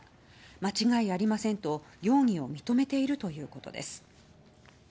間違いありませんと容疑を認めているということです。